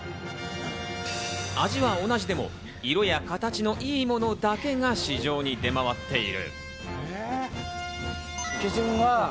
味は同じでも、色や形のいいものだけが、市場に出回っている。